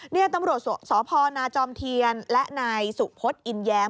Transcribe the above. นี่ตำรวจสพนาจอมเทียนและนายสุพศอินแย้ม